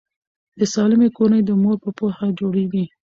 د سالمې کورنۍ د مور په پوهه جوړیږي.